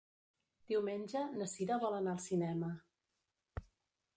Diumenge na Cira vol anar al cinema.